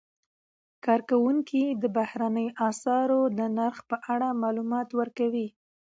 کارکوونکي د بهرنیو اسعارو د نرخ په اړه معلومات ورکوي.